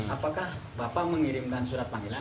apakah bapak mengirimkan surat panggilan